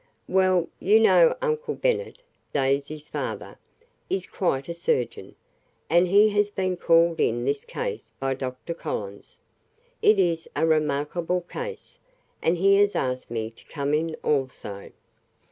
"Well, you know Uncle Bennet, Daisy's father, is quite a surgeon, and he has been called in this case by Dr. Collins. It is a remarkable case, and he has asked me to come in also."